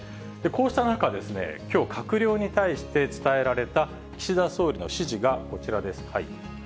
こうした中、きょう、閣僚に対して伝えられた岸田総理の指示がこちらです。